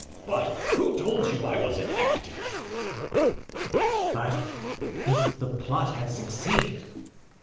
"But who told you I was inactive?" "But—if the plot had succeeded?"